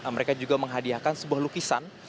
mereka juga menghadiahkan sebuah lukisan